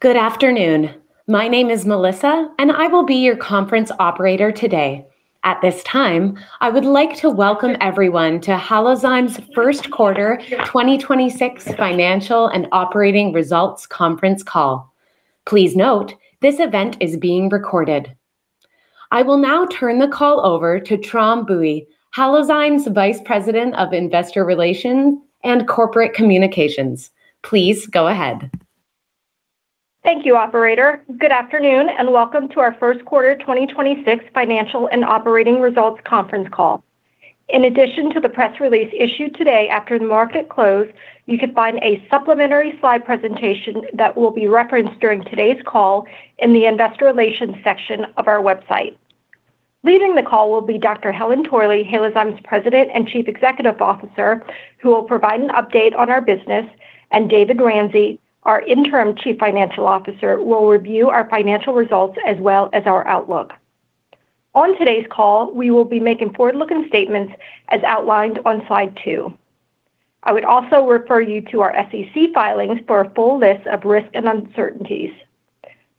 Good afternoon. My name is Melissa, and I will be your conference operator today. At this time, I would like to welcome everyone to Halozyme's first quarter 2026 financial and operating results conference call. Please note, this event is being recorded. I will now turn the call over to Tram Bui, Halozyme's Vice President of Investor Relations and Corporate Communications. Please go ahead. Thank you, operator. Good afternoon, welcome to our first quarter 2026 financial and operating results conference call. In addition to the press release issued today after the market close, you can find a supplementary slide presentation that will be referenced during today's call in the investor relations section of our website. Leading the call will be Dr. Helen Torley, Halozyme's President and Chief Executive Officer, who will provide an update on our business, David Ramsay, our Interim Chief Financial Officer, will review our financial results as well as our outlook. On today's call, we will be making forward-looking statements as outlined on slide two. I would also refer you to our SEC filings for a full list of risks and uncertainties.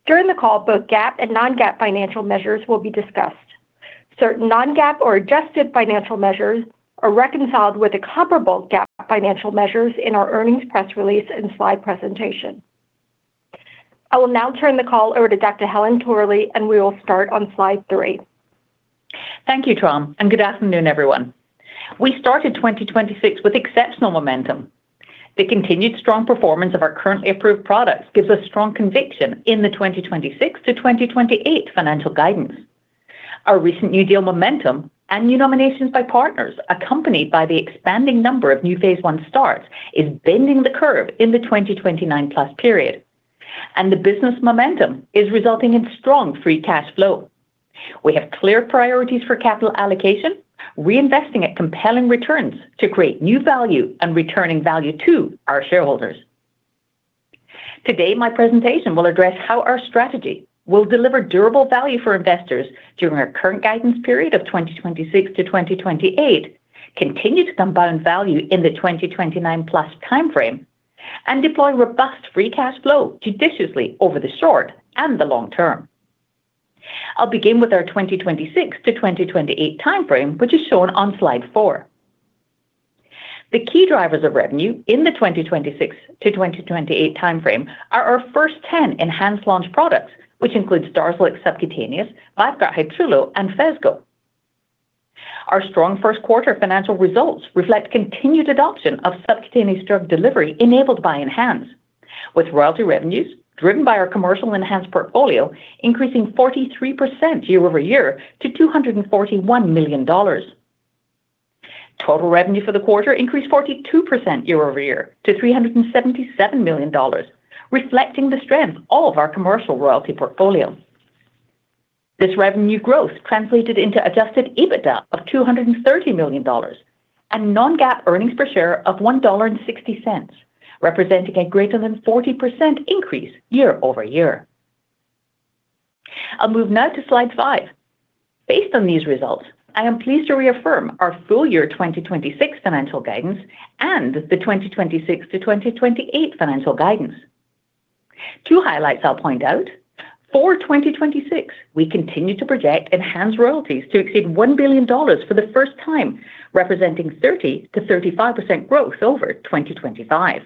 During the call, both GAAP and non-GAAP financial measures will be discussed. Certain non-GAAP or adjusted financial measures are reconciled with the comparable GAAP financial measures in our earnings press release and slide presentation. I will now turn the call over to Dr. Helen Torley. We will start on slide three. Thank you, Tram, and good afternoon, everyone. We started 2026 with exceptional momentum. The continued strong performance of our currently approved products gives us strong conviction in the 2026-2028 financial guidance. Our recent new deal momentum and new nominations by partners, accompanied by the expanding number of new phase I starts, is bending the curve in the 2029 plus period. The business momentum is resulting in strong free cash flow. We have clear priorities for capital allocation, reinvesting at compelling returns to create new value and returning value to our shareholders. Today, my presentation will address how our strategy will deliver durable value for investors during our current guidance period of 2026-2028, continue to compound value in the 2029 plus timeframe, and deploy robust free cash flow judiciously over the short and the long term. I'll begin with our 2026 to 2028 timeframe, which is shown on slide 4. The key drivers of revenue in the 2026 to 2028 timeframe are our first 10 ENHANZE launch products, which includes DARZALEX subcutaneous, VYVGART Hytrulo, and PHESGO. Our strong 1st quarter financial results reflect continued adoption of subcutaneous drug delivery enabled by ENHANZE, with royalty revenues driven by our commercial ENHANZE portfolio increasing 43% year-over-year to $241 million. Total revenue for the quarter increased 42% year-over-year to $377 million, reflecting the strength of our commercial royalty portfolio. This revenue growth translated into adjusted EBITDA of $230 million and non-GAAP earnings per share of $1.60, representing a greater than 40% increase year-over-year. I'll move now to slide five. Based on these results, I am pleased to reaffirm our full year 2026 financial guidance and the 2026 to 2028 financial guidance. Two highlights I'll point out. For 2026, we continue to project ENHANZE royalties to exceed $1 billion for the first time, representing 30%-35% growth over 2025.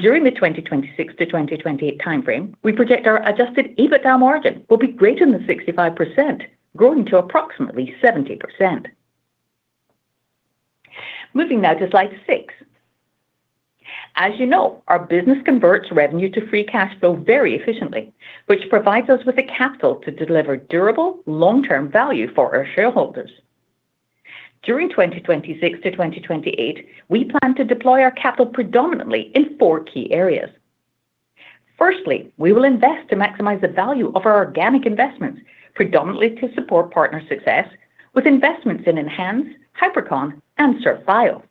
During the 2026 to 2028 timeframe, we project our adjusted EBITDA margin will be greater than 65%, growing to approximately 70%. Moving now to slide six. As you know, our business converts revenue to free cash flow very efficiently, which provides us with the capital to deliver durable, long-term value for our shareholders. During 2026 to 2028, we plan to deploy our capital predominantly in four key areas. Firstly, we will invest to maximize the value of our organic investments, predominantly to support partner success with investments in ENHANZE, Hypercon, and SurfBio.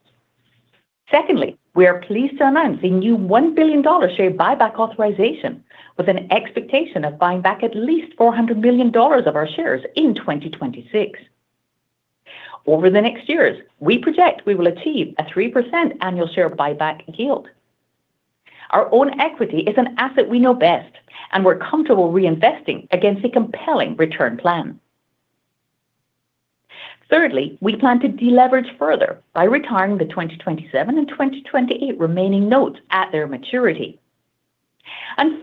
Secondly, we are pleased to announce a new $1 billion share buyback authorization with an expectation of buying back at least $400 million of our shares in 2026. Over the next years, we project we will achieve a 3% annual share buyback yield. Our own equity is an asset we know best, and we're comfortable reinvesting against a compelling return plan. Thirdly, we plan to deleverage further by retiring the 2027 and 2028 remaining notes at their maturity.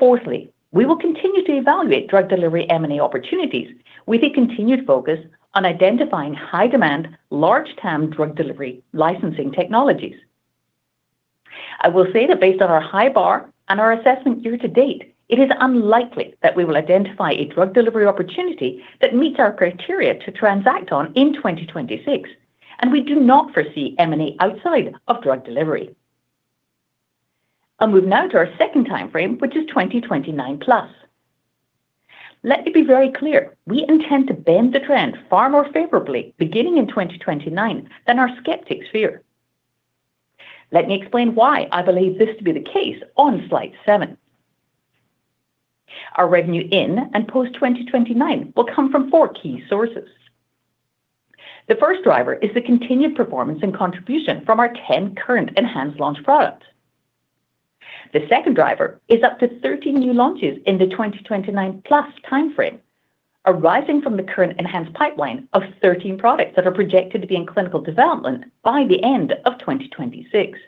Fourthly, we will continue to evaluate drug delivery M&A opportunities with a continued focus on identifying high-demand, large-TAM drug delivery licensing technologies. I will say that based on our high bar and our assessment year to date, it is unlikely that we will identify a drug delivery opportunity that meets our criteria to transact on in 2026, and we do not foresee M&A outside of drug delivery. I'll move now to our second timeframe, which is 2029 plus. Let me be very clear, we intend to bend the trend far more favorably beginning in 2029 than our skeptics fear. Let me explain why I believe this to be the case on slide seven. Our revenue in and post-2029 will come from four key sources. The first driver is the continued performance and contribution from our 10 current ENHANZE-launched products. The second driver is up to 13 new launches in the 2029 plus timeframe, arising from the current ENHANZE pipeline of 13 products that are projected to be in clinical development by the end of 2026.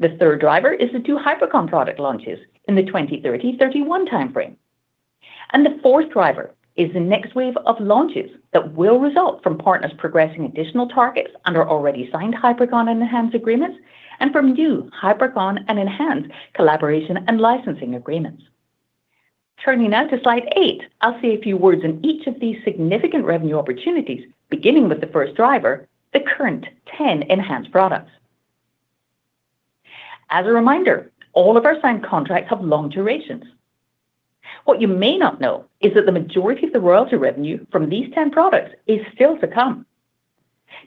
The third driver is the two Hypercon product launches in the 2030-2031 timeframe. The fourth driver is the next wave of launches that will result from partners progressing additional targets under already signed Hypercon and ENHANZE agreements and from new Hypercon and ENHANZE collaboration and licensing agreements. Turning now to slide eight, I'll say a few words on each of these significant revenue opportunities, beginning with the first driver, the current 10 ENHANZE products. As a reminder, all of our signed contracts have long durations. What you may not know is that the majority of the royalty revenue from these 10 products is still to come.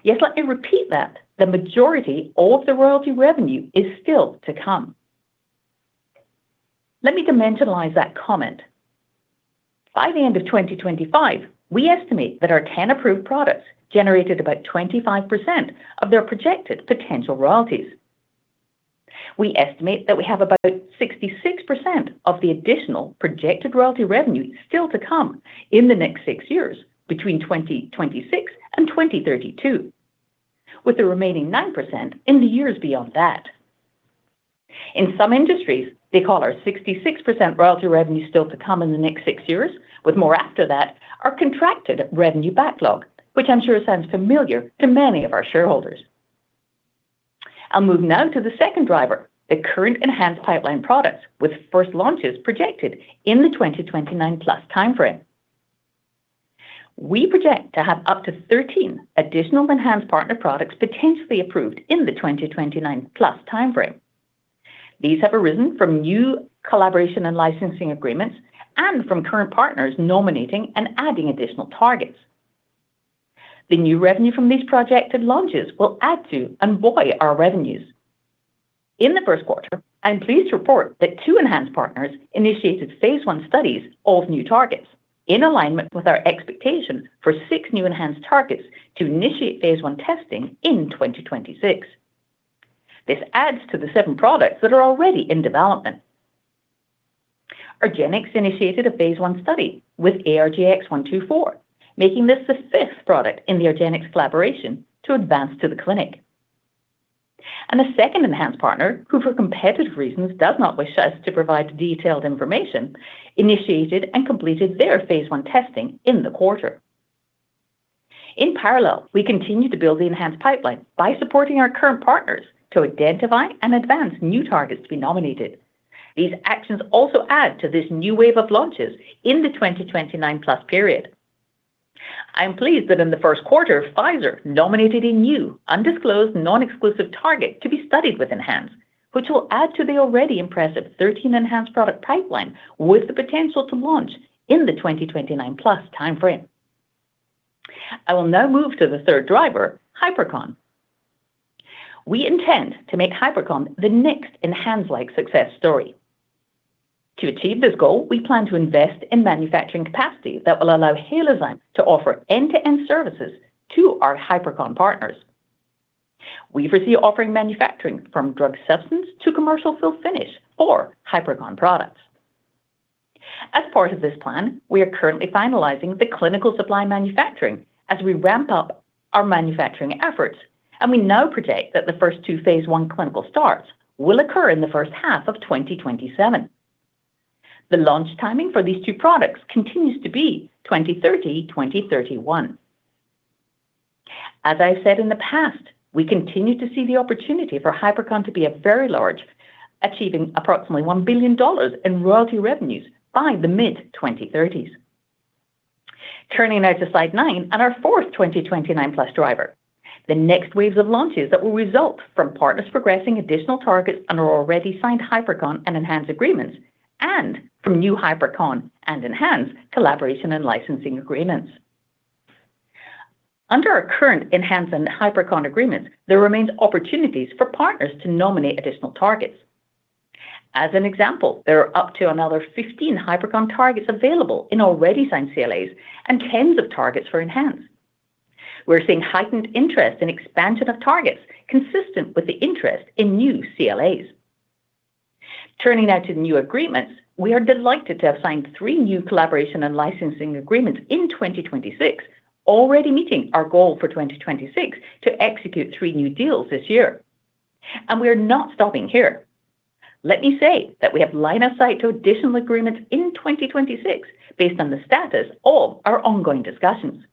Yes, let me repeat that. The majority of the royalty revenue is still to come. Let me dimensionalize that comment. By the end of 2025, we estimate that our 10 approved products generated about 25% of their projected potential royalties. We estimate that we have about 66% of the additional projected royalty revenue still to come in the next six years between 2026 and 2032, with the remaining 9% in the years beyond that. In some industries, they call our 66% royalty revenue still to come in the next six years, with more after that, our contracted revenue backlog, which I'm sure sounds familiar to many of our shareholders. I'll move now to the second driver, the current ENHANZE pipeline products with first launches projected in the 2029 plus timeframe. We project to have up to 13 additional ENHANZE partner products potentially approved in the 2029 plus timeframe. These have arisen from new collaboration and licensing agreements and from current partners nominating and adding additional targets. The new revenue from these projected launches will add to and buoy our revenues. In the first quarter, I'm pleased to report that two ENHANZE partners initiated phase I studies of new targets in alignment with our expectation for six new ENHANZE targets to initiate phase I testing in 2026. This adds to the seven products that are already in development. argenx initiated a phase I study with ARGX-124, making this the 5th product in the argenx collaboration to advance to the clinic. A second ENHANZE partner, who for competitive reasons does not wish us to provide detailed information, initiated and completed their phase I testing in the quarter. In parallel, we continue to build the ENHANZE pipeline by supporting our current partners to identify and advance new targets to be nominated. These actions also add to this new wave of launches in the 2029 plus period. I am pleased that in the first quarter, Pfizer nominated a new, undisclosed, non-exclusive target to be studied with ENHANZE, which will add to the already impressive 13 ENHANZE product pipeline with the potential to launch in the 2029 plus timeframe. I will now move to the third driver, Hypercon. We intend to make Hypercon the next ENHANZE-like success story. To achieve this goal, we plan to invest in manufacturing capacity that will allow Halozyme to offer end-to-end services to our Hypercon partners. We foresee offering manufacturing from drug substance to commercial fill finish for Hypercon products. As part of this plan, we are currently finalizing the clinical supply manufacturing as we ramp up our manufacturing efforts, and we now project that the first two phase I clinical starts will occur in the first half of 2027. The launch timing for these two products continues to be 2030, 2031. As I've said in the past, we continue to see the opportunity for Hypercon to be a very large, achieving approximately $1 billion in royalty revenues by the mid-2030s. Turning now to slide nine and our fourth 2029 plus driver, the next waves of launches that will result from partners progressing additional targets under already signed Hypercon and ENHANZE agreements and from new Hypercon and ENHANZE collaboration and licensing agreements. Under our current ENHANZE and Hypercon agreements, there remains opportunities for partners to nominate additional targets. As an example, there are up to another 15 Hypercon targets available in already signed CLAs and tens of targets for ENHANZE. We're seeing heightened interest in expansion of targets consistent with the interest in new CLAs. Turning now to the new agreements. We are delighted to have signed three new collaboration and licensing agreements in 2026, already meeting our goal for 2026 to execute three new deals this year. We are not stopping here. Let me say that we have line of sight to additional agreements in 2026 based on the status of our ongoing discussions.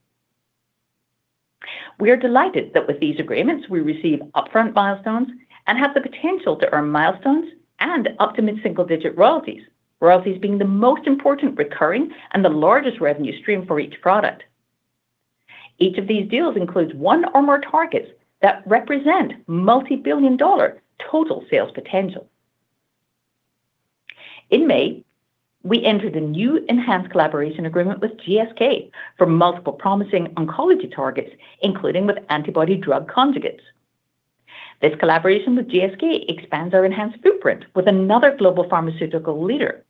We are delighted that with these agreements, we receive upfront milestones and have the potential to earn milestones and up to mid-single-digit royalties. Royalties being the most important recurring and the largest revenue stream for each product. Each of these deals includes one or more targets that represent multi-billion-dollar total sales potential. In May, we entered a new ENHANZE collaboration agreement with GSK for multiple promising oncology targets, including with antibody drug conjugates. This collaboration with GSK expands our ENHANZE footprint with another global pharmaceutical leader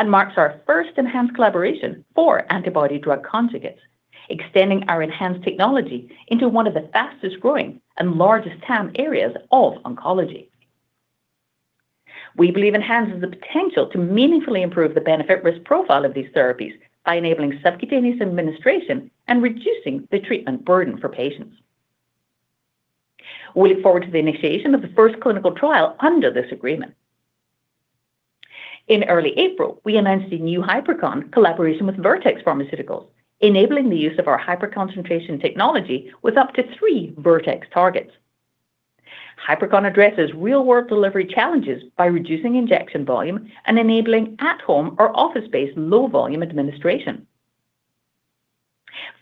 and marks our first ENHANZE collaboration for antibody drug conjugates, extending our ENHANZE technology into one of the fastest-growing and largest TAM areas of oncology. We believe ENHANZE has the potential to meaningfully improve the benefit risk profile of these therapies by enabling subcutaneous administration and reducing the treatment burden for patients. We look forward to the initiation of the first clinical trial under this agreement. In early April, we announced a new Hypercon collaboration with Vertex Pharmaceuticals, enabling the use of our Hyperconcentration technology with up to three Vertex targets. Hypercon addresses real-world delivery challenges by reducing injection volume and enabling at-home or office-based low-volume administration.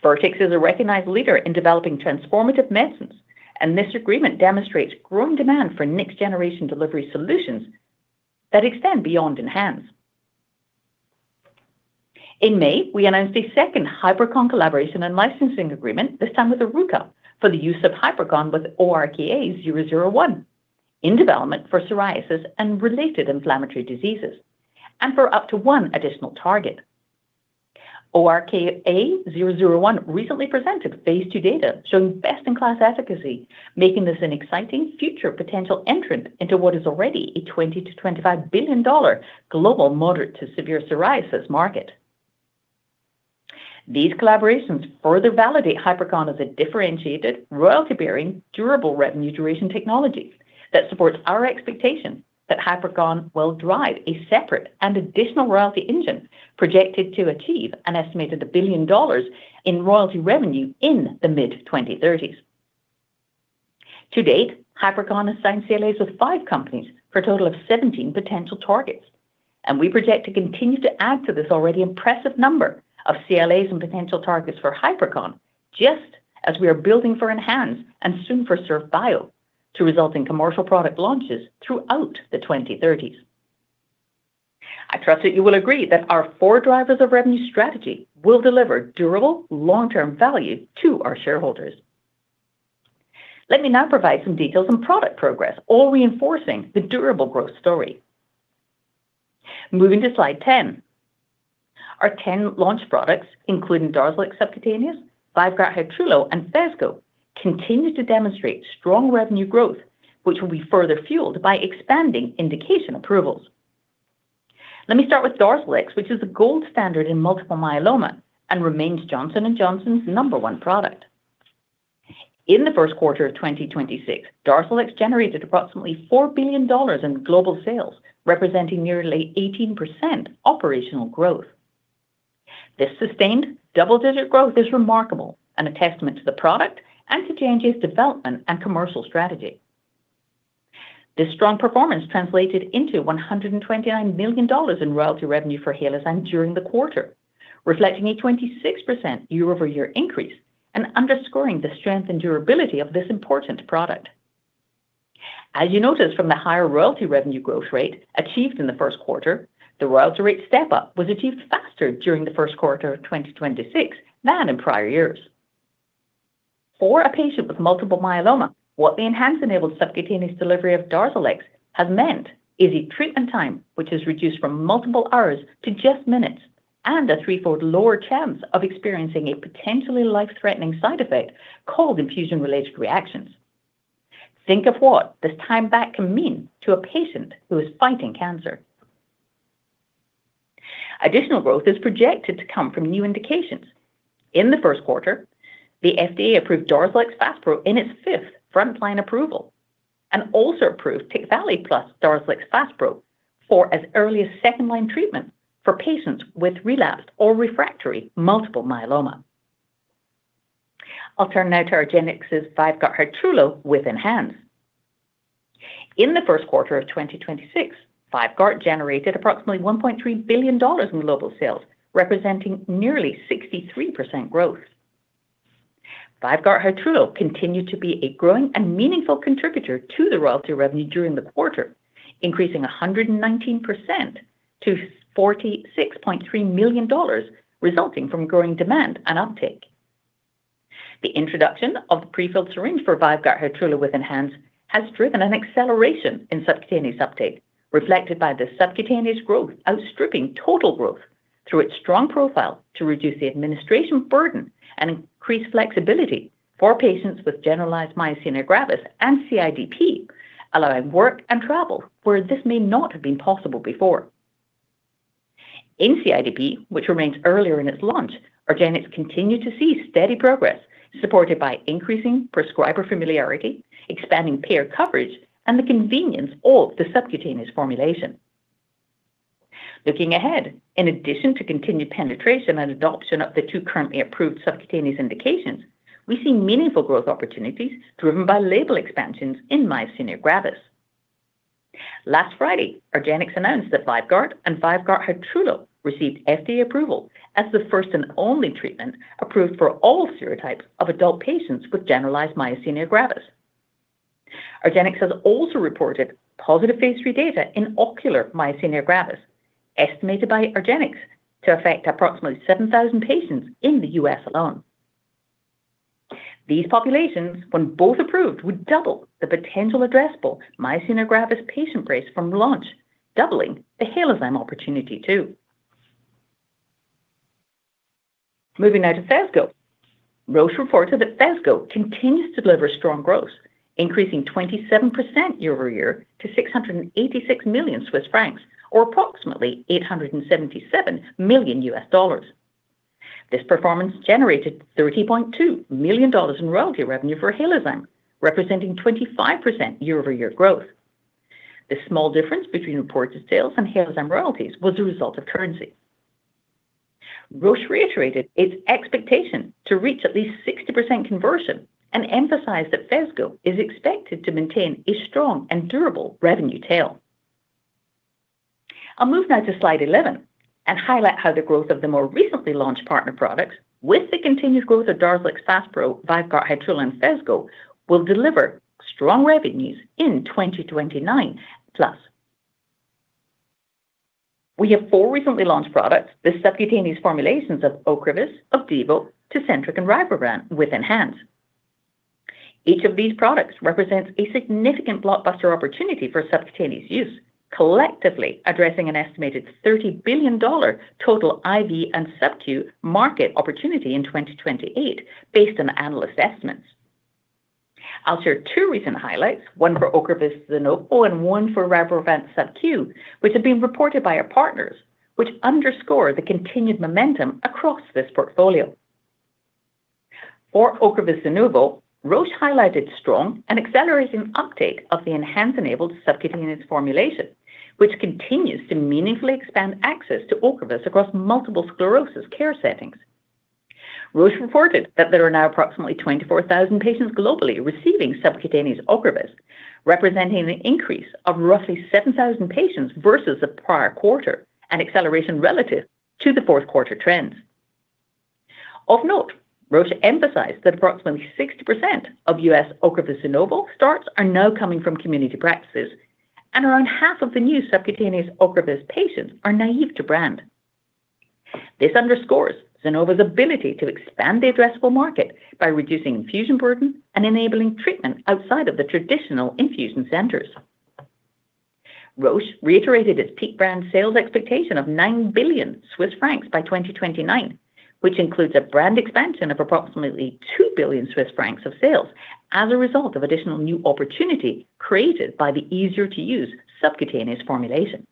Vertex is a recognized leader in developing transformative medicines, this agreement demonstrates growing demand for next-generation delivery solutions that extend beyond ENHANZE. In May, we announced a second Hypercon collaboration and licensing agreement, this time with Oruka, for the use of Hypercon with ORKA-001 in development for psoriasis and related inflammatory diseases and for up to one additional target. ORKA-001 recently presented phase II data showing best-in-class efficacy, making this an exciting future potential entrant into what is already a $20 billion-$25 billion global moderate to severe psoriasis market. These collaborations further validate Hypercon as a differentiated, royalty-bearing, durable revenue-duration technology that supports our expectation that Hypercon will drive a separate and additional royalty engine projected to achieve an estimated $1 billion in royalty revenue in the mid-2030s. To date, Hypercon has signed CLAs with five companies for a total of 17 potential targets. We project to continue to add to this already impressive number of CLAs and potential targets for Hypercon, just as we are building for ENHANZE and soon for Surf Bio to result in commercial product launches throughout the 2030s. I trust that you will agree that our four drivers of revenue strategy will deliver durable long-term value to our shareholders. Let me now provide some details on product progress, all reinforcing the durable growth story. Moving to slide 10. Our 10 launch products, including DARZALEX Subcutaneous, VYVGART Hytrulo, and Phesgo, continue to demonstrate strong revenue growth, which will be further fueled by expanding indication approvals. Let me start with DARZALEX, which is a gold standard in multiple myeloma and remains Johnson & Johnson's number one product. In the first quarter of 2026, DARZALEX generated approximately $4 billion in global sales, representing nearly 18% operational growth. This sustained double-digit growth is remarkable and a testament to the product and to J&J's development and commercial strategy. This strong performance translated into $129 million in royalty revenue for Halozyme during the quarter, reflecting a 26% year-over-year increase and underscoring the strength and durability of this important product. As you notice from the higher royalty revenue growth rate achieved in the first quarter, the royalty rate step-up was achieved faster during the first quarter of 2026 than in prior years. For a patient with multiple myeloma, what the ENHANZE-enabled subcutaneous delivery of DARZALEX has meant is a treatment time which has reduced from multiple hours to just minutes and a three-fold lower chance of experiencing a potentially life-threatening side effect called infusion-related reactions. Think of what this time back can mean to a patient who is fighting cancer. Additional growth is projected to come from new indications. In the first quarter, the FDA approved DARZALEX FASPRO in its fifth frontline approval and also approved TECVAYLI plus DARZALEX FASPRO for as early as second-line treatment for patients with relapsed or refractory multiple myeloma. I'll turn now to argenx's VYVGART Hytrulo with ENHANZE. In the first quarter of 2026, VYVGART generated approximately $1.3 billion in global sales, representing nearly 63% growth. VYVGART Hytrulo continued to be a growing and meaningful contributor to the royalty revenue during the quarter, increasing 119% to $46.3 million, resulting from growing demand and uptake. The introduction of the prefilled syringe for VYVGART Hytrulo with ENHANZE has driven an acceleration in subcutaneous uptake, reflected by the subcutaneous growth outstripping total growth through its strong profile to reduce the administration burden and increase flexibility for patients with generalized myasthenia gravis and CIDP, allowing work and travel where this may not have been possible before. In CIDP, which remains earlier in its launch, argenx continued to see steady progress supported by increasing prescriber familiarity, expanding payer coverage, and the convenience of the subcutaneous formulation. Looking ahead, in addition to continued penetration and adoption of the two currently approved subcutaneous indications, we see meaningful growth opportunities driven by label expansions in myasthenia gravis. Last Friday, argenx announced that VYVGART and VYVGART Hytrulo received FDA approval as the first and only treatment approved for all serotypes of adult patients with generalized myasthenia gravis. argenx has also reported positive phase III data in ocular myasthenia gravis, estimated by argenx to affect approximately 7,000 patients in the U.S. alone. These populations, when both approved, would double the potential addressable myasthenia gravis patient base from launch, doubling the Halozyme opportunity too. Moving now to Phesgo. Roche reported that Phesgo continues to deliver strong growth, increasing 27% year-over-year to 686 million Swiss francs, or approximately $877 million. This performance generated $30.2 million in royalty revenue for Halozyme, representing 25% year-over-year growth. The small difference between reported sales and Halozyme royalties was a result of currency. Roche reiterated its expectation to reach at least 60% conversion and emphasized that Phesgo is expected to maintain a strong and durable revenue tail. I'll move now to slide 11 and highlight how the growth of the more recently launched partner products with the continued growth of DARZALEX FASPRO, VYVGART Hytrulo, and Phesgo will deliver strong revenues in 2029 plus. We have four recently launched products, the subcutaneous formulations of OCREVUS, Opdivo, TECENTRIQ, and RYBREVANT with ENHANZE. Each of these products represents a significant blockbuster opportunity for subcutaneous use, collectively addressing an estimated $30 billion total IV and subcu market opportunity in 2028 based on analyst estimates. I'll share two recent highlights, one for OCREVUS ZUNOVO and one for RYBREVANT subQ, which have been reported by our partners, which underscore the continued momentum across this portfolio. For OCREVUS ZUNOVO, Roche highlighted strong and accelerating uptake of the ENHANZE-enabled subcutaneous formulation, which continues to meaningfully expand access to OCREVUS across multiple sclerosis care settings. Roche reported that there are now approximately 24,000 patients globally receiving subcutaneous OCREVUS, representing an increase of roughly 7,000 patients versus the prior quarter and acceleration relative to the fourth quarter trends. Of note, Roche emphasized that approximately 60% of U.S. OCREVUS ZUNOVO starts are now coming from community practices, and around half of the new subcutaneous OCREVUS patients are naive to brand. This underscores ZUNOVO's ability to expand the addressable market by reducing infusion burden and enabling treatment outside of the traditional infusion centers. Roche reiterated its peak brand sales expectation of 9 billion Swiss francs by 2029, which includes a brand expansion of approximately 2 billion Swiss francs of sales as a result of additional new opportunity created by the easier-to-use subcutaneous formulation.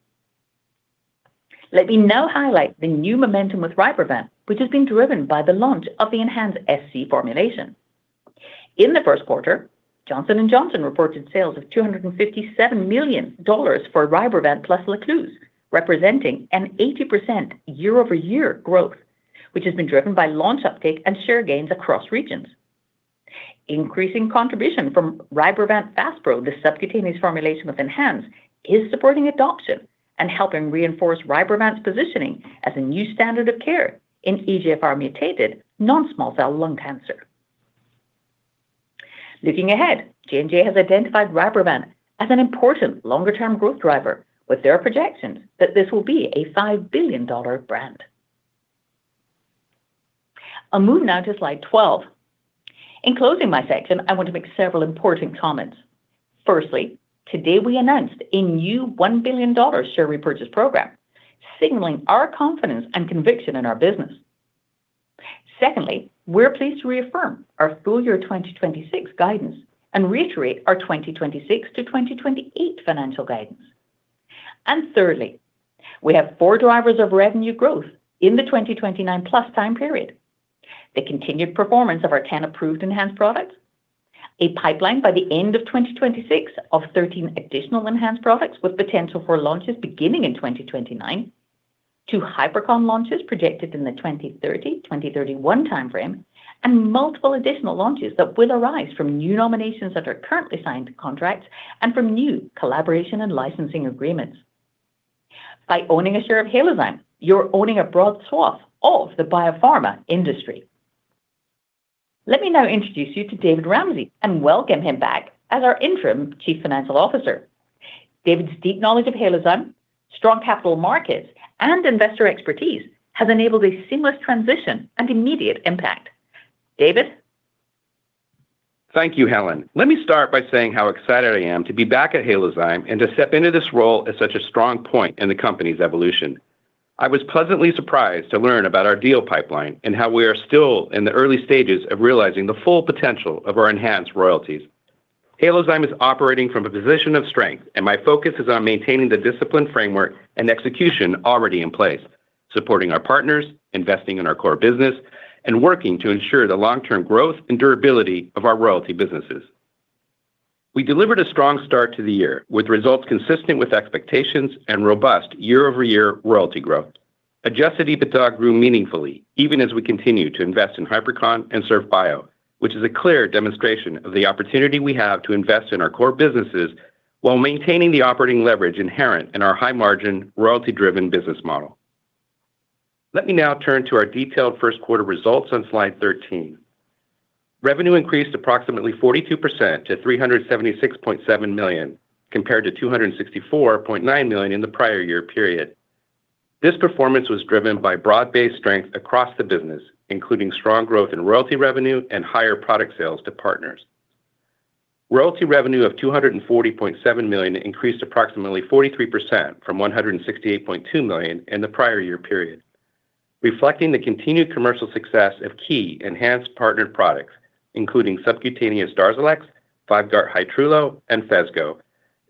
Let me now highlight the new momentum with RYBREVANT, which has been driven by the launch of the ENHANZE SC formulation. In the first quarter, Johnson & Johnson reported sales of $257 million for RYBREVANT plus Leclaza, representing an 80% year-over-year growth, which has been driven by launch uptake and share gains across regions. Increasing contribution from RYBREVANT FASPRO, the subcutaneous formulation with ENHANZE, is supporting adoption and helping reinforce RYBREVANT's positioning as a new standard of care in EGFR-mutated non-small cell lung cancer. Looking ahead, J&J has identified RYBREVANT as an important longer-term growth driver with their projections that this will be a $5 billion brand. I'll move now to slide 12. In closing my section, I want to make several important comments. Firstly, today we announced a new $1 billion share repurchase program, signaling our confidence and conviction in our business. Secondly, we're pleased to reaffirm our full year 2026 guidance and reiterate our 2026-2028 financial guidance. Thirdly, we have four drivers of revenue growth in the 2029-plus time period. The continued performance of our 10 approved ENHANZE products, a pipeline by the end of 2026 of 13 additional ENHANZE products with potential for launches beginning in 2029, two Hypercon launches projected in the 2030, 2031 time frame, and multiple additional launches that will arise from new nominations that are currently signed to contracts and from new collaboration and licensing agreements. By owning a share of Halozyme, you're owning a broad swath of the biopharma industry. Let me now introduce you to David Ramsay and welcome him back as our Interim Chief Financial Officer. David's deep knowledge of Halozyme, strong capital markets, and investor expertise has enabled a seamless transition and immediate impact. David? Thank you, Helen. Let me start by saying how excited I am to be back at Halozyme and to step into this role at such a strong point in the company's evolution. I was pleasantly surprised to learn about our deal pipeline and how we are still in the early stages of realizing the full potential of our ENHANZE royalties. Halozyme is operating from a position of strength, and my focus is on maintaining the disciplined framework and execution already in place, supporting our partners, investing in our core business, and working to ensure the long-term growth and durability of our royalty businesses. We delivered a strong start to the year, with results consistent with expectations and robust year-over-year royalty growth. Adjusted EBITDA grew meaningfully, even as we continue to invest in Hypercon and SurfBio, which is a clear demonstration of the opportunity we have to invest in our core businesses while maintaining the operating leverage inherent in our high-margin, royalty-driven business model. Let me now turn to our detailed first quarter results on slide 13. Revenue increased approximately 42% to $376.7 million, compared to $264.9 million in the prior year period. This performance was driven by broad-based strength across the business, including strong growth in royalty revenue and higher product sales to partners. Royalty revenue of $240.7 million increased approximately 43% from $168.2 million in the prior year period, reflecting the continued commercial success of key ENHANZE partnered products, including subcutaneous DARZALEX, VYVGART Hytrulo, and Phesgo,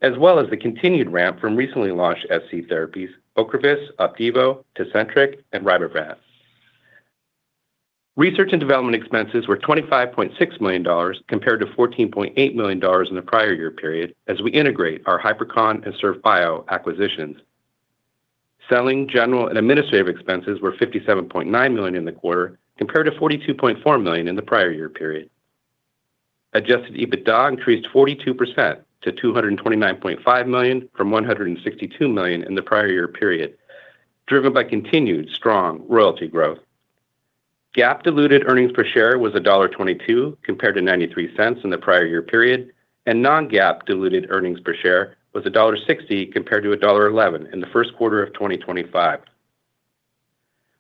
as well as the continued ramp from recently launched SC therapies OCREVUS, Opdivo, TECENTRIQ, and RYBREVANT. Research and development expenses were $25.6 million compared to $14.8 million in the prior year period as we integrate our Hypercon and SurfBio acquisitions. Selling, general, and administrative expenses were $57.9 million in the quarter compared to $42.4 million in the prior year period. Adjusted EBITDA increased 42% to $229.5 million from $162 million in the prior year period, driven by continued strong royalty growth. GAAP diluted earnings per share was $1.22 compared to $0.93 in the prior year period, and non-GAAP diluted earnings per share was $1.60 compared to $1.11 in the first quarter of 2025.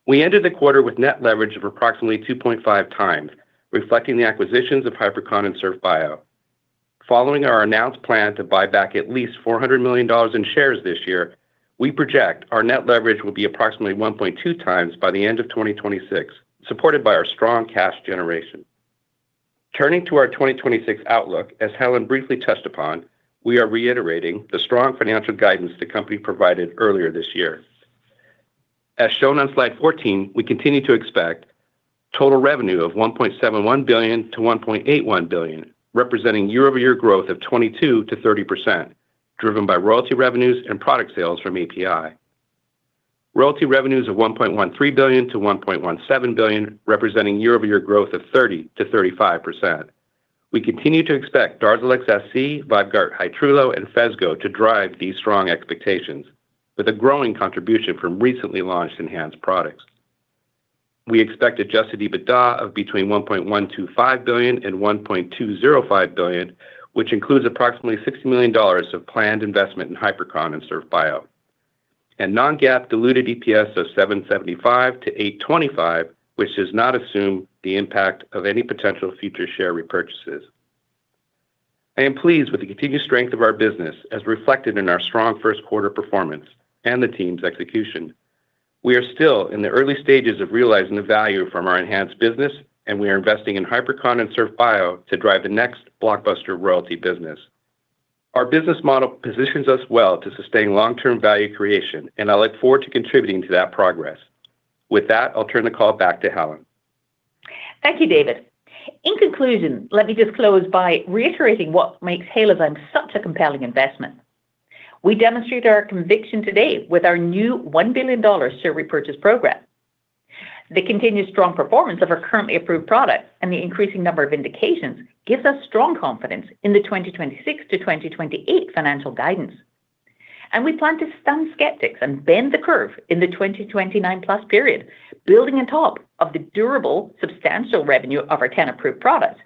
We ended the quarter with net leverage of approximately 2.5 times, reflecting the acquisitions of Hypercon and SurfBio. Following our announced plan to buy back at least $400 million in shares this year, we project our net leverage will be approximately 1.2 times by the end of 2026, supported by our strong cash generation. Turning to our 2026 outlook, as Helen briefly touched upon, we are reiterating the strong financial guidance the company provided earlier this year. As shown on slide 14, we continue to expect total revenue of $1.71 billion-$1.81 billion, representing year-over-year growth of 22%-30%, driven by royalty revenues and product sales from API. Royalty revenues of $1.13 billion-$1.17 billion, representing year-over-year growth of 30%-35%. We continue to expect DARZALEX SC, VYVGART Hytrulo, and Phesgo to drive these strong expectations with a growing contribution from recently launched ENHANZE products. We expect adjusted EBITDA of between $1.125 billion and $1.205 billion, which includes approximately $60 million of planned investment in Hypercon and SurfBio. Non-GAAP diluted EPS of $7.75-$8.25, which does not assume the impact of any potential future share repurchases. I am pleased with the continued strength of our business as reflected in our strong first quarter performance and the team's execution. We are still in the early stages of realizing the value from our ENHANZE business, and we are investing in Hypercon and SurfBio to drive the next blockbuster royalty business. Our business model positions us well to sustain long-term value creation, and I look forward to contributing to that progress. With that, I'll turn the call back to Helen. Thank you, David. In conclusion, let me just close by reiterating what makes Halozyme such a compelling investment. We demonstrate our conviction today with our new $1 billion share repurchase program. The continued strong performance of our currently approved products and the increasing number of indications gives us strong confidence in the 2026-2028 financial guidance. We plan to stun skeptics and bend the curve in the 2029 plus period, building on top of the durable, substantial revenue of our 10 approved products,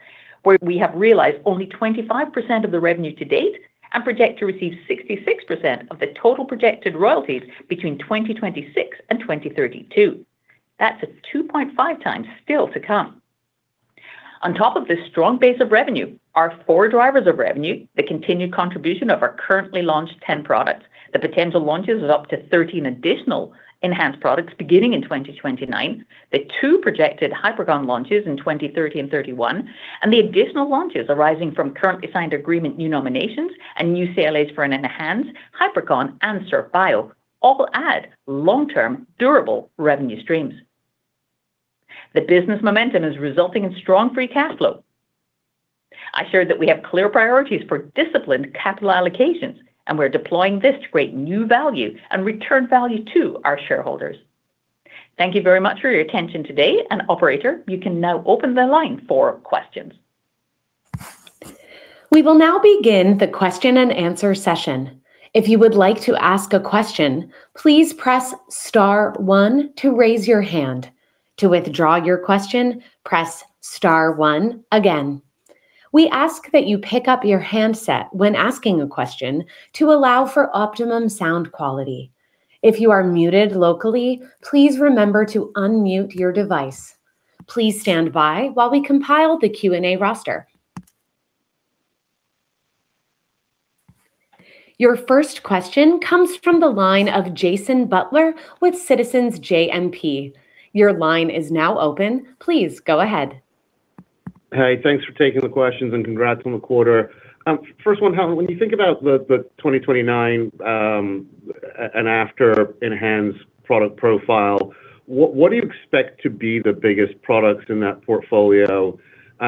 where we have realized only 25% of the revenue to date and project to receive 66% of the total projected royalties between 2026 and 2032. That's a 2.5 times still to come. On top of this strong base of revenue, our four drivers of revenue, the continued contribution of our currently launched 10 products, the potential launches of up to 13 additional ENHANZE products beginning in 2029, the two projected Hypercon launches in 2030 and 2031, and the additional launches arising from currently signed agreement new nominations and new CLAs for ENHANZE, Hypercon and SurfBio all add long-term, durable revenue streams. The business momentum is resulting in strong free cash flow. I shared that we have clear priorities for disciplined capital allocations, and we're deploying this to create new value and return value to our shareholders. Thank you very much for your attention today, and operator, you can now open the line for questions. We will now begin the question and answer session. If you would like to ask a question, please press star one to raise your hand. To withdraw your question, press star one again. We ask that you pick up your handset when asking a question to allow for optimum sound quality. If you are muted locally, please remember to unmute your device. Please stand by while we compile the Q&A roster. Your first question comes from the line of Jason Butler with Citizens JMP. Your line is now open. Please go ahead. Hey, thanks for taking the questions, and congrats on the quarter. First one, Helen, when you think about the 2029 and after ENHANZE product profile, what do you expect to be the biggest products in that portfolio? When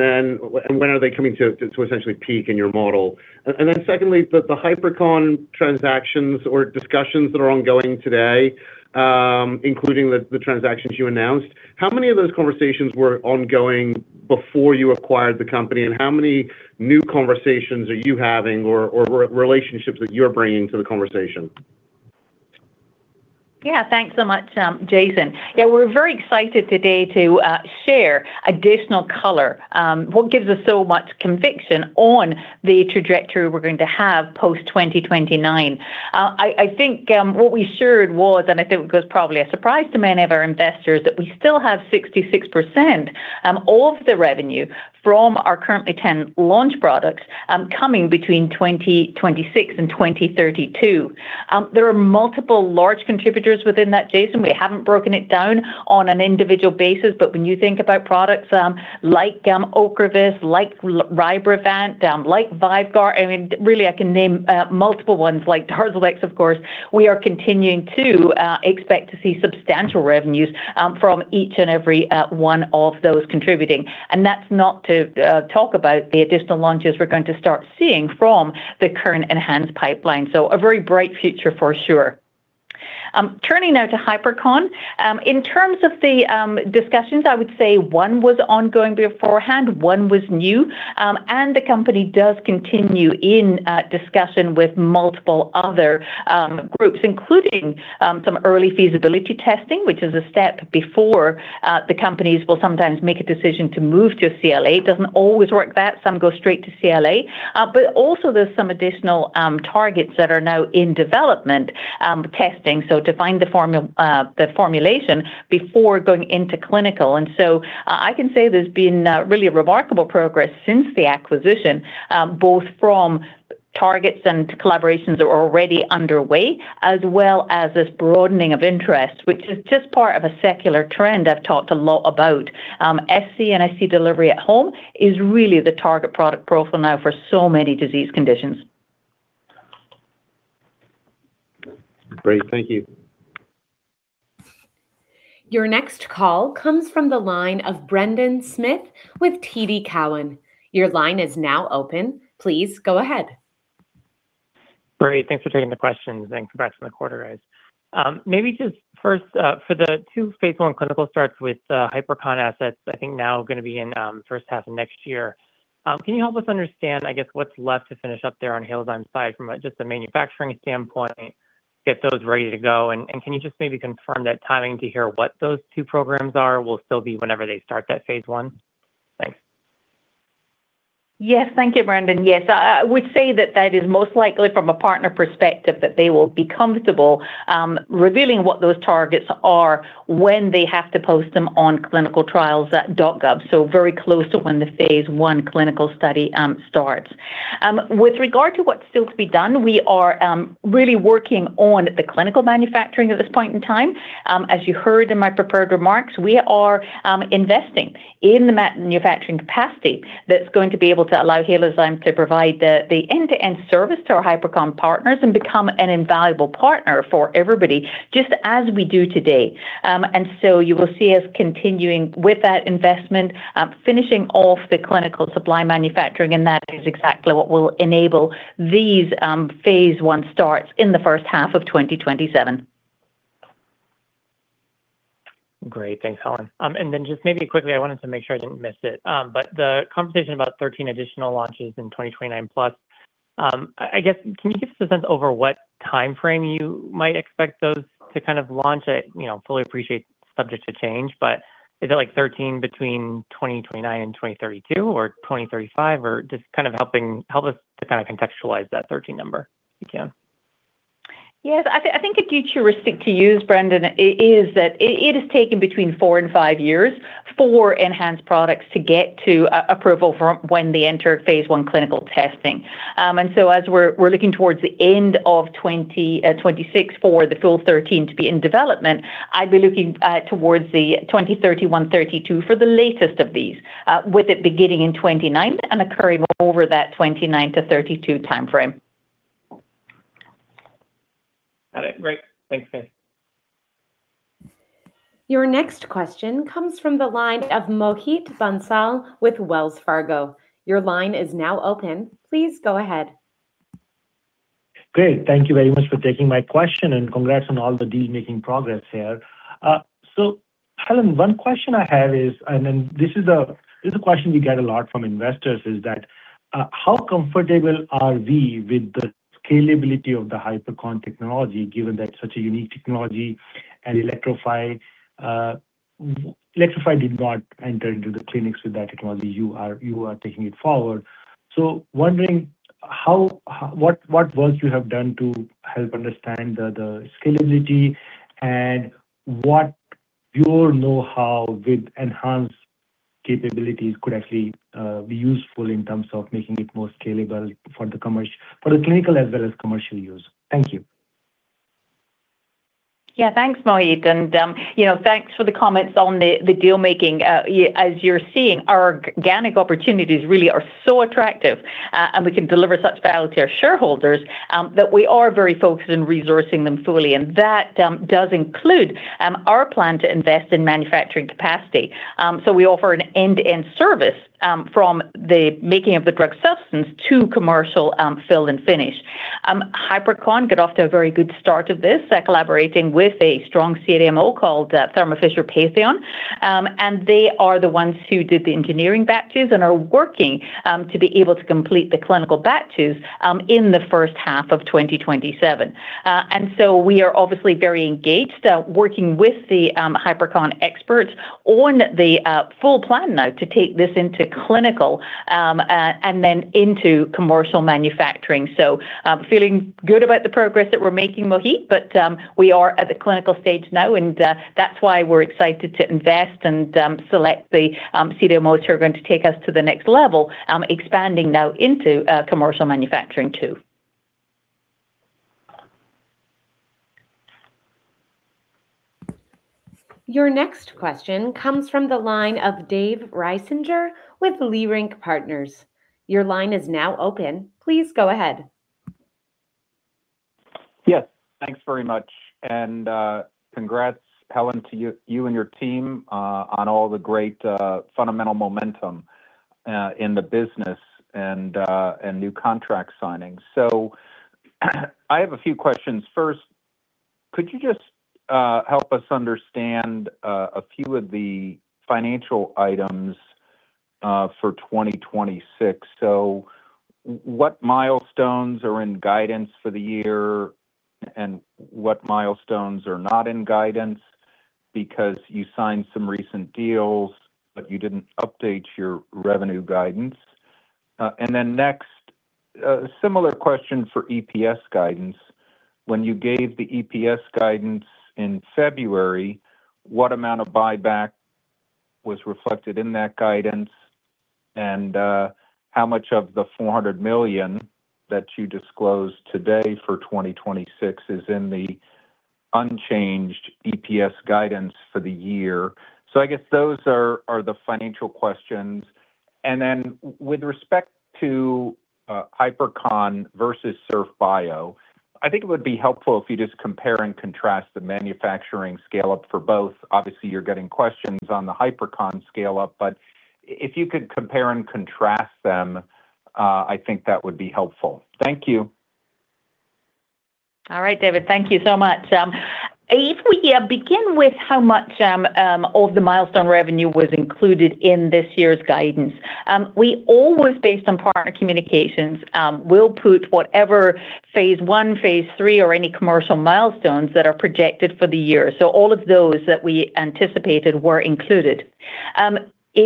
are they coming to essentially peak in your model? Secondly, the Hypercon transactions or discussions that are ongoing today, including the transactions you announced, how many of those conversations were ongoing before you acquired the company, and how many new conversations are you having or re-relationships that you're bringing to the conversation? Thanks so much, Jason. We're very excited today to share additional color, what gives us so much conviction on the trajectory we're going to have post 2029. I think what we assured was, and I think it was probably a surprise to many of our investors, that we still have 66% of the revenue from our currently 10 launch products, coming between 2026 and 2032. There are multiple large contributors within that, Jason. We haven't broken it down on an individual basis, but when you think about products, like OCREVUS, like RYBREVANT, like VYVGART, I mean, really I can name multiple ones like DARZALEX, of course. We are continuing to expect to see substantial revenues from each and every one of those contributing. That's not to talk about the additional launches we're going to start seeing from the current enhanced pipeline. A very bright future for sure. Turning now to Hypercon. In terms of the discussions, I would say one was ongoing beforehand, one was new. The company does continue in discussion with multiple other groups, including some early feasibility testing, which is a step before the companies will sometimes make a decision to move to a CLA. It doesn't always work that, some go straight to CLA. Also there's some additional targets that are now in development testing. To find the formulation before going into clinical. I can say there's been really a remarkable progress since the acquisition, both from targets and collaborations that were already underway, as well as this broadening of interest, which is just part of a secular trend I've talked a lot about. SC and IV delivery at home is really the target product profile now for so many disease conditions. Great. Thank you. Your next call comes from the line of Brendan Smith with TD Cowen. Your line is now open. Please go ahead. Great. Thanks for taking the questions and congrats on the quarter guys. Maybe just first, for the two phase I clinical starts with Hypercon assets, I think now going to be in first half of next year. Can you help us understand, I guess, what's left to finish up there on Halozyme's side from a manufacturing standpoint, get those ready to go? Can you just maybe confirm that timing to hear what those two programs are will still be whenever they start that phase I? Thanks. Yes. Thank you, Brendan. Yes. I would say that that is most likely from a partner perspective, that they will be comfortable revealing what those targets are when they have to post them on ClinicalTrials.gov. Very close to when the phase I clinical study starts. With regard to what's still to be done, we are really working on the clinical manufacturing at this point in time. As you heard in my prepared remarks, we are investing in the manufacturing capacity that's going to be able to allow Halozyme to provide the end-to-end service to our Hypercon partners and become an invaluable partner for everybody just as we do today. You will see us continuing with that investment, finishing off the clinical supply manufacturing, and that is exactly what will enable these, phase I starts in the first half of 2027. Great. Thanks, Helen. Then just maybe quickly, I wanted to make sure I didn't miss it. The conversation about 13 additional launches in 2029 plus. I guess, can you give us a sense over what timeframe you might expect those to kind of launch at? You know, fully appreciate subject to change, but is it like 13 between 2029 and 2032 or 2035? Just kind of helping, help us to kind of contextualize that 13 number if you can? Yes. I think a good heuristic to use, Brendan, is that it has taken between four and five years for ENHANZE products to get to approval from when they enter phase I clinical testing. As we're looking towards the end of 2026 for the full 13 to be in development, I'd be looking towards the 2031-2032 for the latest of these, with it beginning in 2029 and occurring over that 2029 to 2032 timeframe. Got it. Great. Thanks, guys. Your next question comes from the line of Mohit Bansal with Wells Fargo. Your line is now open. Please go ahead. Great. Thank you very much for taking my question. Congrats on all the deal-making progress here. Helen, one question I have is, this is a question we get a lot from investors, is that how comfortable are we with the scalability of the Hypercon technology given that such a unique technology, Electrify did not enter into the clinics with that technology. You are taking it forward. Wondering how what work you have done to help understand the scalability, what your know-how with ENHANZE capabilities could actually be useful in terms of making it more scalable for the commercial for the clinical as well as commercial use. Thank you. Thanks, Mohit. You know, thanks for the comments on the deal-making. As you're seeing, our organic opportunities really are so attractive, and we can deliver such value to our shareholders, that we are very focused on resourcing them fully. That does include our plan to invest in manufacturing capacity. We offer an end-to-end service from the making of the drug substance to commercial fill and finish. Hypercon got off to a very good start of this, collaborating with a strong CDMO called Thermo Fisher Patheon. They are the ones who did the engineering batches and are working to be able to complete the clinical batches in the first half of 2027. We are obviously very engaged, working with the Hypercon experts on the full plan now to take this into clinical and then into commercial manufacturing. Feeling good about the progress that we're making, Mohit, but we are at the clinical stage now, and that's why we're excited to invest and select the CDMOs who are going to take us to the next level, expanding now into commercial manufacturing too. Your next question comes from the line of Dave Risinger with Leerink Partners. Your line is now open. Please go ahead. Yes. Thanks very much. Congrats, Helen, to you and your team on all the great fundamental momentum in the business and new contract signings. I have a few questions. First, could you just help us understand a few of the financial items for 2026? What milestones are in guidance for the year and what milestones are not in guidance? You signed some recent deals, but you didn't update your revenue guidance. Next, a similar question for EPS guidance. When you gave the EPS guidance in February, what amount of buyback was reflected in that guidance? How much of the $400 million that you disclosed today for 2026 is in the unchanged EPS guidance for the year? I guess those are the financial questions. With respect to Hypercon versus SurfBio, I think it would be helpful if you just compare and contrast the manufacturing scale up for both. Obviously, you're getting questions on the Hypercon scale up, but if you could compare and contrast them, I think that would be helpful. Thank you. All right, David. Thank you so much. If we begin with how much of the milestone revenue was included in this year's guidance, we always based on partner communications, we'll put whatever phase I, phase III, or any commercial milestones that are projected for the year. All of those that we anticipated were included.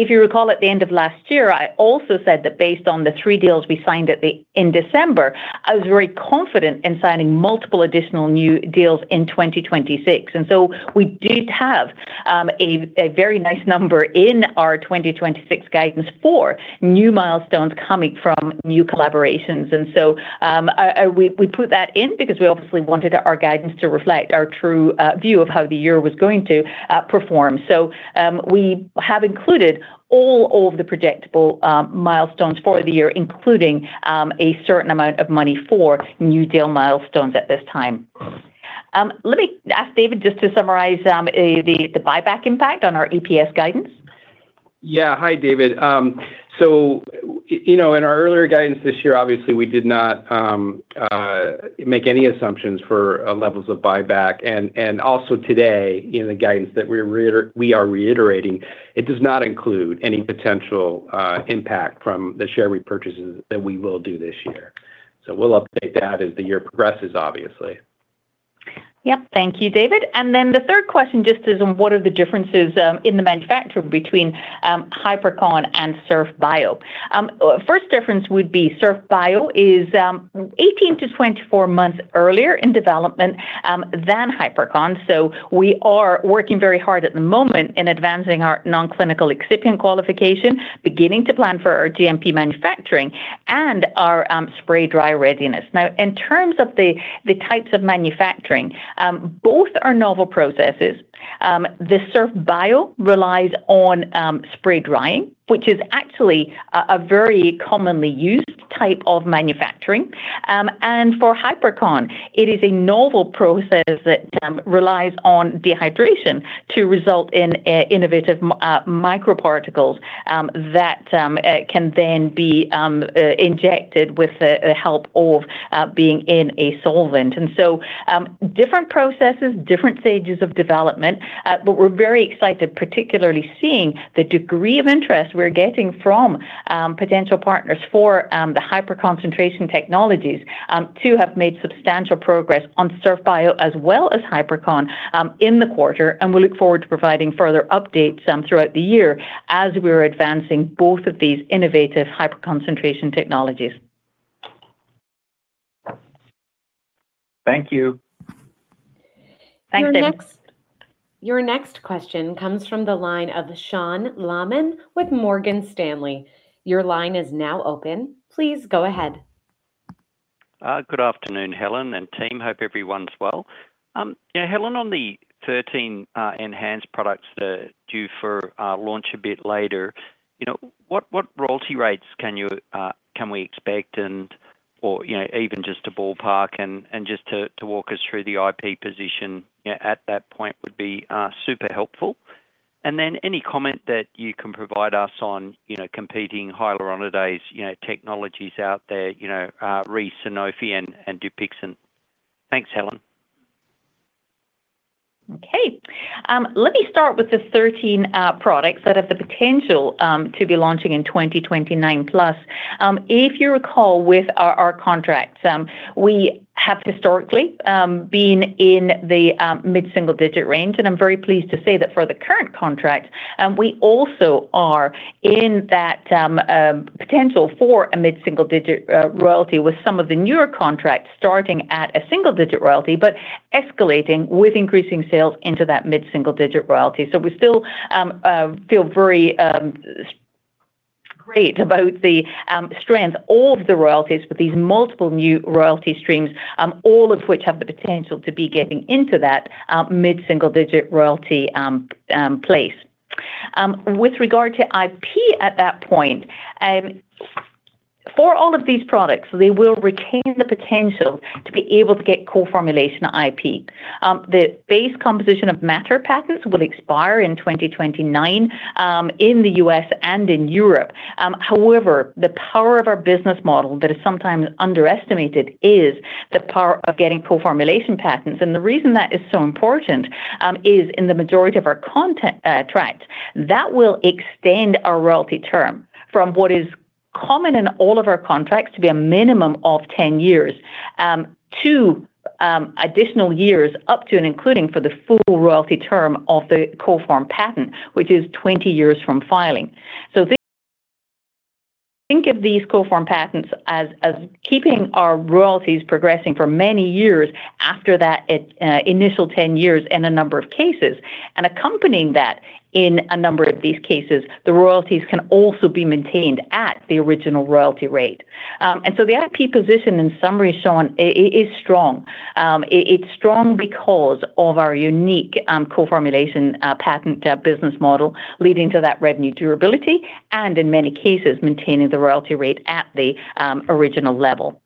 If you recall, at the end of last year, I also said that based on the three deals we signed in December, I was very confident in signing multiple additional new deals in 2026. We did have a very nice number in our 2026 guidance for new milestones coming from new collaborations. We put that in because we obviously wanted our guidance to reflect our true view of how the year was going to perform. We have included all of the projectable milestones for the year, including a certain amount of money for new deal milestones at this time. Let me ask David just to summarize the buyback impact on our EPS guidance. Hi, David. You know, in our earlier guidance this year, obviously, we did not make any assumptions for levels of buyback. Also today in the guidance that we are reiterating, it does not include any potential impact from the share repurchases that we will do this year. We'll update that as the year progresses, obviously. Yep. Thank you, David. The third question just is on what are the differences in the manufacturing between Hypercon and Surf Bio. First difference would be Surf Bio is 18 to 24 months earlier in development than Hypercon. We are working very hard at the moment in advancing our non-clinical excipient qualification, beginning to plan for our GMP manufacturing and our spray dry readiness. In terms of the types of manufacturing, both are novel processes. The Surf Bio relies on spray drying, which is actually a very commonly used type of manufacturing. For Hypercon, it is a novel process that relies on dehydration to result in innovative microparticles that can then be injected with the help of being in a solvent. Different processes, different stages of development. We're very excited, particularly seeing the degree of interest we're getting from potential partners for the Hyperconcentration technologies, to have made substantial progress on SurfBio as well as Hypercon in the quarter. We look forward to providing further updates throughout the year as we're advancing both of these innovative Hyperconcentration technologies. Thank you. Thanks, David. Your next question comes from the line of Sean Laaman with Morgan Stanley. Your line is now open. Please go ahead. Good afternoon, Helen and team. Hope everyone's well. Yeah, Helen, on the 13 ENHANZE products that are due for launch a bit later, you know, what royalty rates can you expect or, you know, even just to ballpark and just to walk us through the IP position at that point would be super helpful. Then any comment that you can provide us on, you know, competing hyaluronidases, you know, technologies out there, you know, Sanofi and Dupixent. Thanks, Helen. Okay. Let me start with the 13 products that have the potential to be launching in 2029 plus. If you recall, with our contracts, we have historically been in the mid-single digit range. I'm very pleased to say that for the current contract, we also are in that potential for a mid-single digit royalty with some of the newer contracts starting at a single digit royalty, but escalating with increasing sales into that mid-single digit royalty. We still feel very great about the strength of the royalties for these multiple new royalty streams, all of which have the potential to be getting into that mid-single digit royalty place. With regard to IP at that point, for all of these products, they will retain the potential to be able to get co-formulation IP. The base composition of matter patents will expire in 2029 in the U.S. and in Europe. However, the power of our business model that is sometimes underestimated is the power of getting co-formulation patents. The reason that is so important is in the majority of our contracts, that will extend our royalty term from what is common in all of our contracts to be a minimum of 10 years, two additional years up to and including for the full royalty term of the co-form patent, which is 20 years from filing. Think of these co-form patents as keeping our royalties progressing for many years after that initial 10 years in a number of cases. Accompanying that in a number of these cases, the royalties can also be maintained at the original royalty rate. The IP position in summary, Sean, is strong. It's strong because of our unique co-formulation patent business model leading to that revenue durability and in many cases, maintaining the royalty rate at the original level.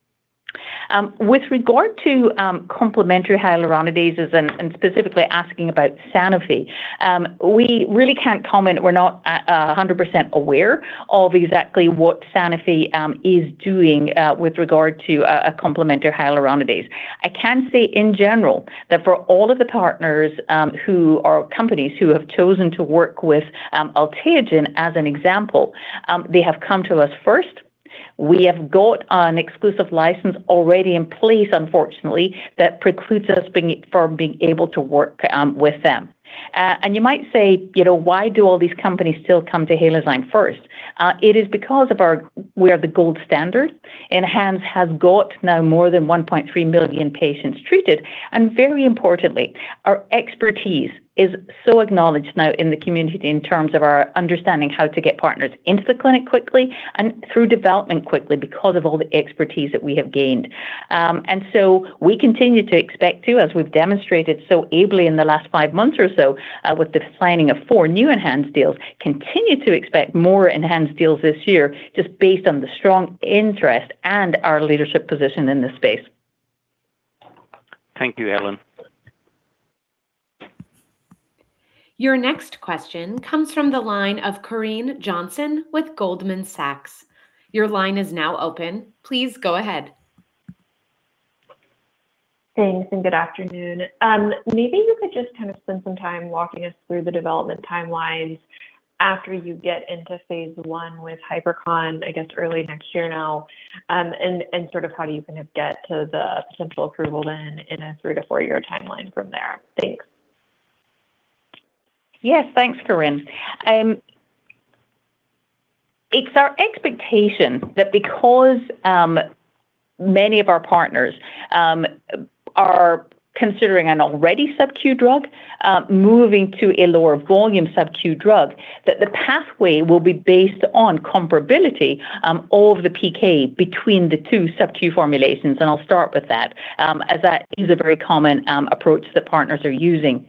With regard to complementary hyaluronidases and specifically asking about Sanofi, we really can't comment. We're not 100% aware of exactly what Sanofi is doing with regard to a complementary hyaluronidase. I can say in general that for all of the partners, who are companies who have chosen to work with Alnylam as an example, they have come to us first. We have got an exclusive license already in place, unfortunately, that precludes us from being able to work with them. You might say, you know, "Why do all these companies still come to Halozyme first?" It is because we are the gold standard. ENHANZE has got now more than 1.3 million patients treated. Very importantly, our expertise is so acknowledged now in the community in terms of our understanding how to get partners into the clinic quickly and through development quickly because of all the expertise that we have gained. So we continue to expect to, as we've demonstrated so ably in the last five months or so, with the signing of four new ENHANZE deals, continue to expect more ENHANZE deals this year just based on the strong interest and our leadership position in this space. Thank you, Helen. Your next question comes from the line of Corinne Johnson with Goldman Sachs. Your line is now open. Please go ahead. Thanks, and good afternoon. Maybe you could just kind of spend some time walking us through the development timelines after you get into phase I with Hypercon, I guess, early next year now. Sort of how do you kind of get to the potential approval then in a three to four-year timeline from there? Thanks. Yes. Thanks, Corinne. It's our expectation that because many of our partners are considering an already subQ drug, moving to a lower volume subQ drug, that the pathway will be based on comparability of the PK between the two subQ formulations, and I'll start with that. As that is a very common approach that partners are using.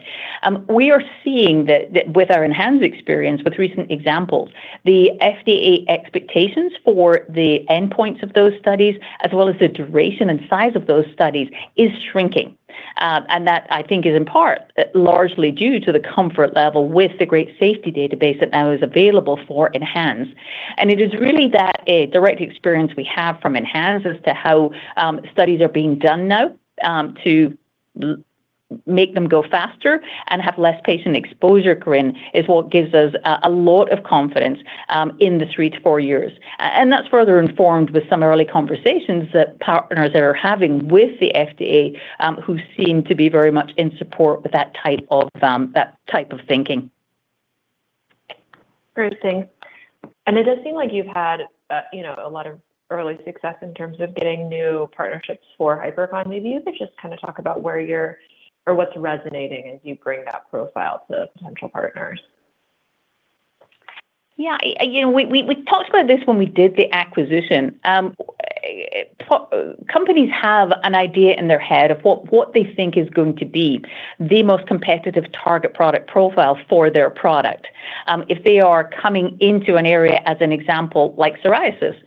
We are seeing that with our ENHANZE experience with recent examples, the FDA expectations for the endpoints of those studies, as well as the duration and size of those studies, is shrinking. That I think is in part largely due to the comfort level with the great safety database that now is available for ENHANZE. It is really that direct experience we have from ENHANZE as to how studies are being done now to make them go faster and have less patient exposure, Corinne, is what gives us a lot of confidence in the three to four years. That's further informed with some early conversations that partners are having with the FDA, who seem to be very much in support with that type of that type of thinking. Great. Thanks. It does seem like you've had, you know, a lot of early success in terms of getting new partnerships for Hypercon. Maybe you could just kind of talk about what's resonating as you bring that profile to potential partners? You know, we talked about this when we did the acquisition. Companies have an idea in their head of what they think is going to be the most competitive target product profile for their product. If they are coming into an area as an example like psoriasis,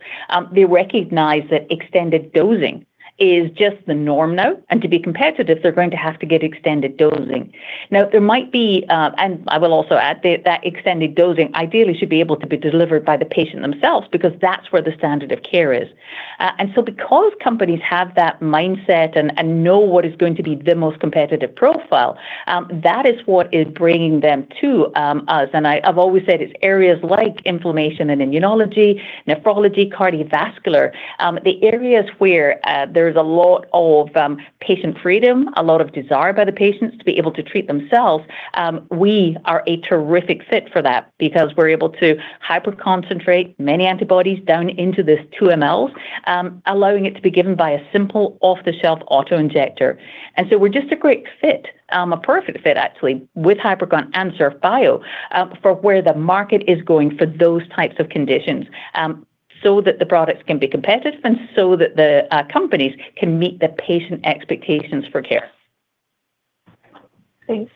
they recognize that extended dosing is just the norm now, and to be competitive they're going to have to get extended dosing. There might be, and I will also add that extended dosing ideally should be able to be delivered by the patient themselves because that's where the standard of care is. Because companies have that mindset and know what is going to be the most competitive profile, that is what is bringing them to us. I've always said it's areas like inflammation and immunology, nephrology, cardiovascular, the areas where there is a lot of patient freedom, a lot of desire by the patients to be able to treat themselves. We are a terrific fit for that because we're able to hyper concentrate many antibodies down into this 2 mls, allowing it to be given by a simple off-the-shelf auto-injector. We're just a great fit, a perfect fit actually with Hypercon and SurfBio, for where the market is going for those types of conditions, so that the products can be competitive and so that the companies can meet the patient expectations for care. Thanks.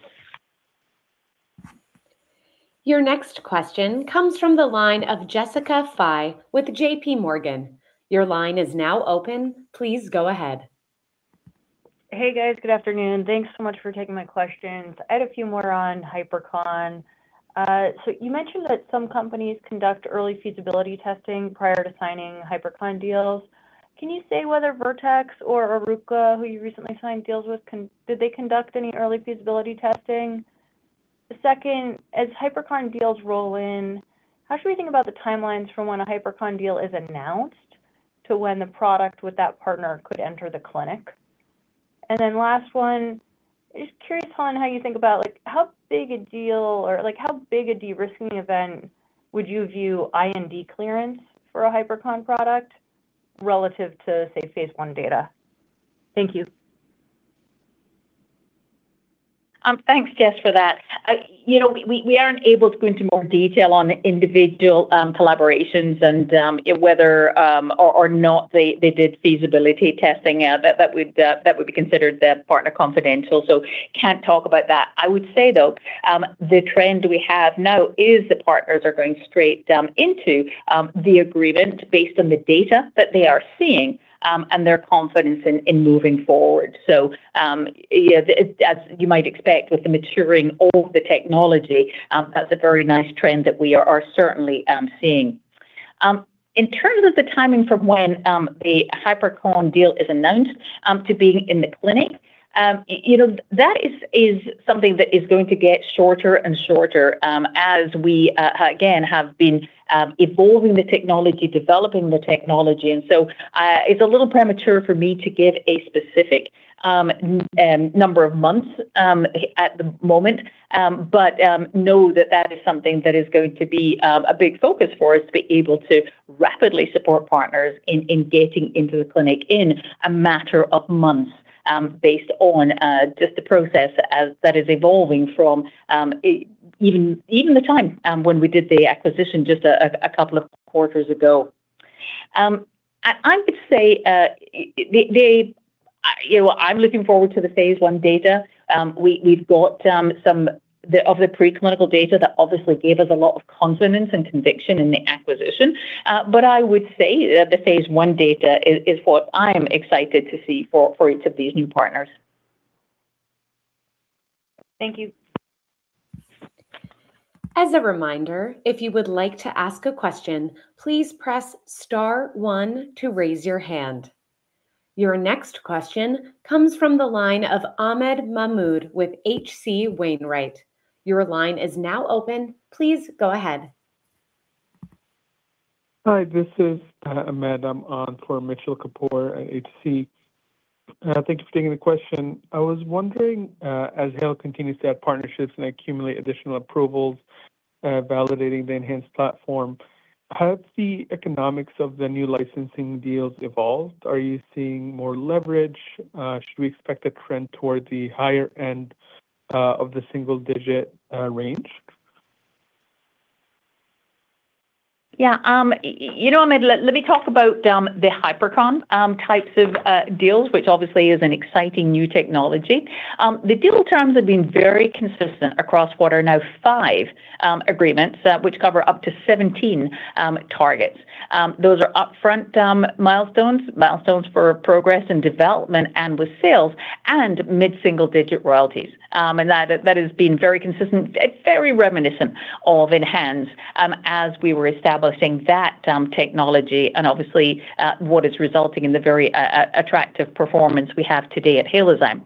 Your next question comes from the line of Jessica Fye with JPMorgan. Your line is now open. Please go ahead. Hey, guys. Good afternoon. Thanks so much for taking my questions. I had a few more on Hypercon. You mentioned that some companies conduct early feasibility testing prior to signing Hypercon deals. Can you say whether Vertex or Oruka, who you recently signed deals with, did they conduct any early feasibility testing? The second, as Hypercon deals roll in, how should we think about the timelines from when a Hypercon deal is announced to when the product with that partner could enter the clinic? Last one, just curious, Helen, how you think about like how big a deal or like how big a de-risking event would you view IND clearance for a Hypercon product relative to, say, phase I data? Thank you. Thanks, Jess, for that. You know, we aren't able to go into more detail on the individual collaborations and whether or not they did feasibility testing. That would be considered then partner confidential, so can't talk about that. I would say, though, the trend we have now is the partners are going straight into the agreement based on the data that they are seeing and their confidence in moving forward. Yeah, as you might expect with the maturing of the technology, that's a very nice trend that we are certainly seeing. In terms of the timing from when the Hypercon deal is announced to being in the clinic, it, you know, that is something that is going to get shorter and shorter as we again, have been evolving the technology, developing the technology. It's a little premature for me to give a specific number of months at the moment. Know that that is something that is going to be a big focus for us to be able to rapidly support partners in getting into the clinic in a matter of months, based on just the process as that is evolving from even the time when we did the acquisition just a couple of quarters ago. I would say, You know, I'm looking forward to the phase I data. We've got some of the preclinical data that obviously gave us a lot of confidence and conviction in the acquisition. I would say that the phase I data is what I'm excited to see for each of these new partners. Thank you. As a reminder, if you you would like to ask a question, please press star one to raise your hand. Your next question comes from the line of Ahmed Mahmoud with H.C. Wainwright. Your line is now open. Please go ahead. Hi, this is Ahmed. I'm on for Mitchell Kapoor at H.C. Thank you for taking the question. I was wondering, as Halozyme continues to have partnerships and accumulate additional approvals, validating the ENHANZE platform, how have the economics of the new licensing deals evolved? Are you seeing more leverage? Should we expect a trend toward the higher end of the single digit range? Yeah. You know, Ahmed, let me talk about the Hypercon types of deals, which obviously is an exciting new technology. The deal terms have been very consistent across what are now five agreements, which cover up to 17 targets. Those are upfront milestones for progress and development and with sales and mid-single digit royalties. That has been very consistent, very reminiscent of ENHANZE, as we were establishing that technology and obviously, what is resulting in the very attractive performance we have today at Halozyme.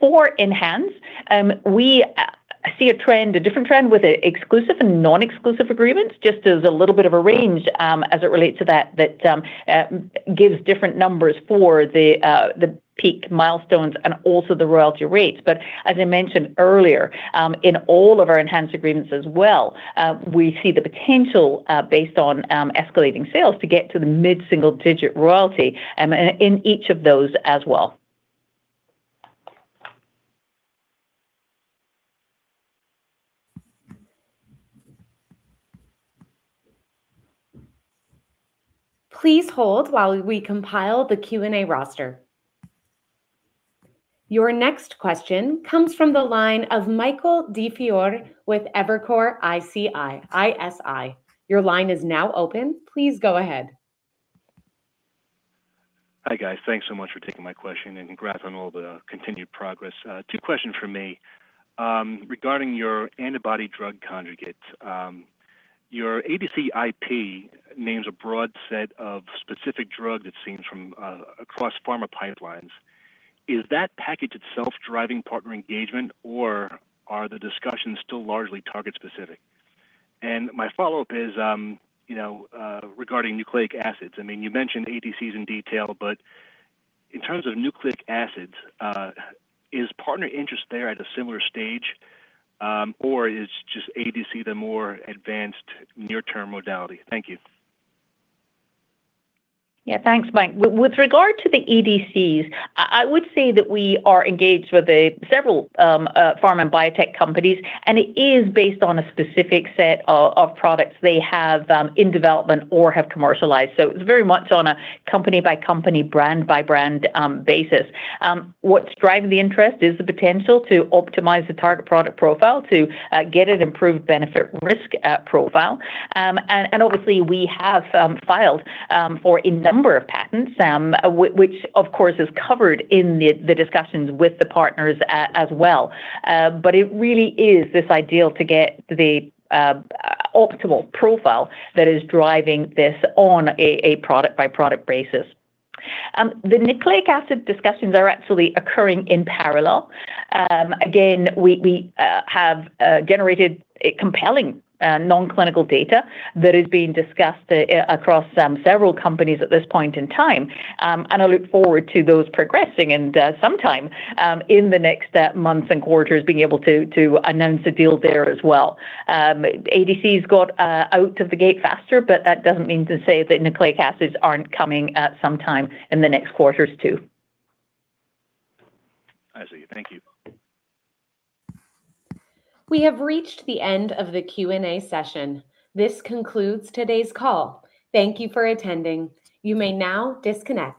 For ENHANZE, we see a trend, a different trend with exclusive and non-exclusive agreements, just as a little bit of a range, as it relates to that, gives different numbers for the peak milestones and also the royalty rates. As I mentioned earlier, in all of our ENHANZE agreements as well, we see the potential, based on escalating sales to get to the mid-single digit royalty, in each of those as well. Your next question comes from the line of Michael DiFiore with Evercore ISI. Your line is now open. Please go ahead. Hi, guys. Thanks so much for taking my question and congrats on all the continued progress. Two questions from me. Regarding your antibody drug conjugates, your ADC IP names a broad set of specific drugs it seems from across pharma pipelines. Is that package itself driving partner engagement, or are the discussions still largely target-specific? My follow-up is, you know, regarding nucleic acids. I mean, you mentioned ADCs in detail, in terms of nucleic acids, is partner interest there at a similar stage, or is just ADC the more advanced near-term modality? Thank you. Thanks, Mike. With regard to the ADCs, I would say that we are engaged with several pharma and biotech companies, and it is based on a specific set of products they have in development or have commercialized. It's very much on a company-by-company, brand-by-brand basis. What's driving the interest is the potential to optimize the target product profile to get an improved benefit risk profile. And obviously we have filed for a number of patents, which of course is covered in the discussions with the partners as well. But it really is this ideal to get the optimal profile that is driving this on a product-by-product basis. The nucleic acid discussions are actually occurring in parallel. Again, we have generated a compelling non-clinical data that is being discussed across several companies at this point in time. I look forward to those progressing and sometime in the next months and quarters being able to announce a deal there as well. ADCs got out of the gate faster, but that doesn't mean to say that nucleic acids aren't coming at some time in the next quarters too. I see. Thank you. We have reached the end of the Q&A session. This concludes today's call. Thank you for attending. You may now disconnect.